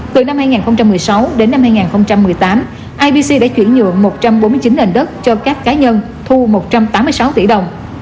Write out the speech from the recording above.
từ năm hai nghìn một mươi sáu đến năm hai nghìn một mươi tám ibc đã chuyển nhượng một trăm bốn mươi chín nền đất cho các cá nhân thu một trăm tám mươi sáu tỷ đồng